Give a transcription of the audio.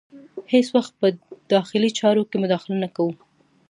هیڅ وخت به په داخلي چارو کې مداخله نه کوو.